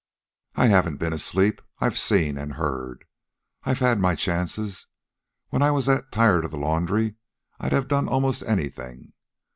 "I haven't been asleep. I've seen... and heard. I've had my chances, when I was that tired of the laundry I'd have done almost anything.